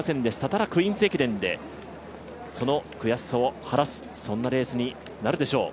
ただクイーンズ駅伝でその悔しさを晴らすそんなレースになるでしょう。